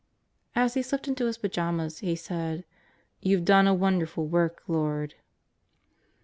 As he slipped into his pajamas he said: "You've done a wonder ful work, Lord."